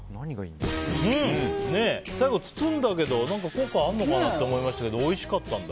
最後、包んだけど効果あるのかなって思いましたけどおいしかったんだ。